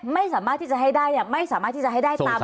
ไม่สามารถที่จะให้ได้เนี่ยไม่สามารถที่จะให้ได้ตาม